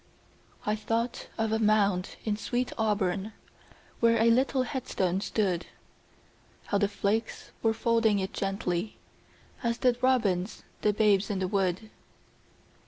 I thought of a mound in sweet Auburn Where a little headstone stood; How the flakes were folding it gently, As did robins the babes in the wood.